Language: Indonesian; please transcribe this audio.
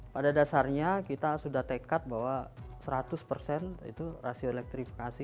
pada dasarnya kita sudah tekad bahwa seratus persen itu rasio elektrifikasi